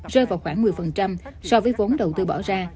rơi vào khoảng một mươi so với vốn đầu tư bỏ ra